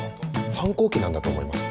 反抗期なんだと思います。